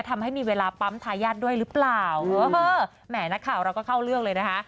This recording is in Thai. ทำให้มีเวลาปั๊มทายาทด้วยหรือเปล่าเออแหมนักข่าวเราก็เข้าเรื่องเลยนะคะ